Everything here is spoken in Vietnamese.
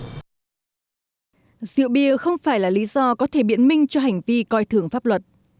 rượu bia không phải là lý do có thể biện minh cho hành vi coi thường pháp luật